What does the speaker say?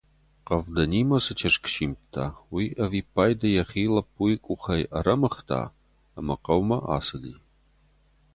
Хъӕвдынимӕ цы чызг симдта, уый ӕвиппайды йӕхи лӕппуйы къухӕй арӕмыгъта ӕмӕ хъӕумӕ ацыди.